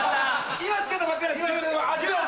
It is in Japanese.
今つけたばっかり１０万！